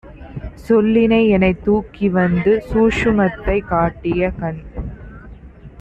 சொல்லிஎனைத் தூக்கிவந்து சூக்ஷுமத்தைக் காட்டிய, கண்